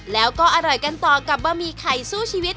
แล้วก็อร่อยกันต่อกับบะหมี่ไข่สู้ชีวิต